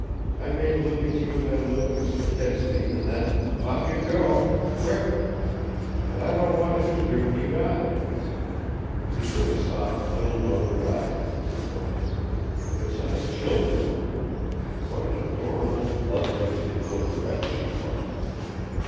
I may look at you as I looked at Mr. Kedsty, and then pop you'd go, quick! And I don't want to be here when you die!" He heard a soft little note of laughter in her throat. It sent a chill through him. What an adorable, blood thirsty little wretch she was!